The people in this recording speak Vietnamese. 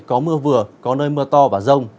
có mưa vừa có nơi mưa to và rông